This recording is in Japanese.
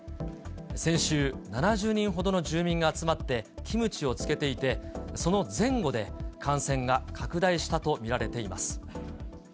先週、７０人ほどの住民が集まってキムチを漬けていて、その前後で感染が拡大したと見られています。